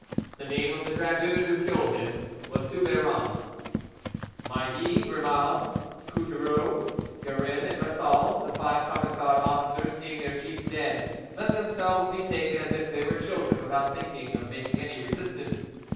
The name of the dragoon who killed him was Soubeyrand. Maillie, Grimaud, Coutereau, Guerin, and Ressal, the five Camisard officers, seeing their chief dead, let themselves be taken as if they were children, without thinking of making any resistance.